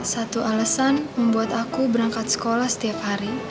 satu alasan membuat aku berangkat sekolah setiap hari